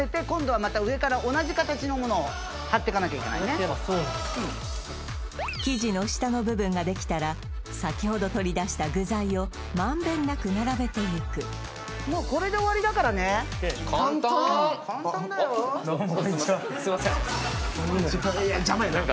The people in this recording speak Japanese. この上に・そうなんや生地の下の部分ができたら先ほど取り出した具材を満遍なく並べていくもうこれで終わりだからねどうもこんにちはすいませんいや邪魔やな！